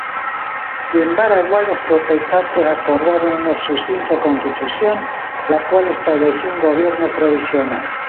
En Baraguá los protestantes acordaron una sucinta Constitución, la cual estableció un gobierno provisional.